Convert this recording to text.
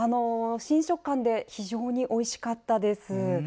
新食感で非常においしかったです。